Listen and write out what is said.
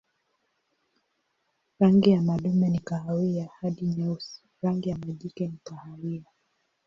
Rangi ya madume ni kahawia hadi nyeusi, rangi ya majike ni kahawia.